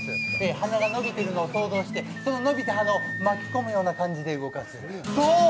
鼻が伸びているのを想像してその延びた鼻を巻き込むような形で動かす、象。